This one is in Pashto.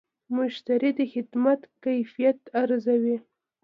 مشتری د خدمت کیفیت ارزوي.